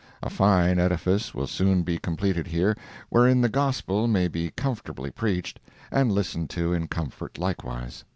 A fine edifice will soon be completed here, wherein the gospel may be comfortably preached, and listened to in comfort likewise.